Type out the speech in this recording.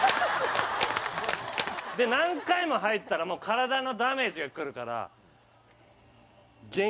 で何回も入ったらもう体のダメージがくるから。